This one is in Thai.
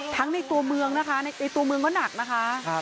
ในตัวเมืองนะคะในตัวเมืองก็หนักนะคะ